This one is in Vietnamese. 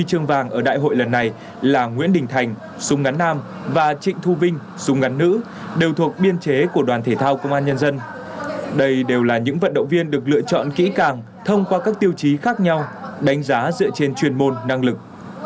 trong các truyền môn các vận động viên của thể thao công an nhân dân được lựa chọn kỹ càng thông qua các tiêu chí khác nhau đánh giá dựa trên truyền môn năng lực